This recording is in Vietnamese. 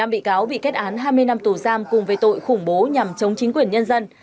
năm bị cáo bị kết án hai mươi năm tù giam cùng với tội khủng bố nhằm chống chính quyền nhân dân